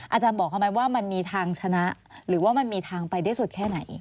อาจารย์บอกเขาไหมว่ามันมีทางชนะหรือว่ามันมีทางไปได้สุดแค่ไหน